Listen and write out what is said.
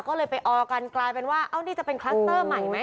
ก็เลยไปออกันกลายเป็นว่าเอ้านี่จะเป็นคลัสเตอร์ใหม่ไหม